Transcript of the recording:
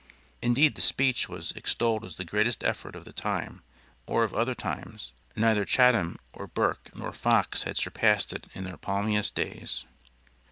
Indeed the speech was extolled as the greatest effort of the time or of other times neither Chatham or Burke nor Fox had surpassed it in their palmiest days.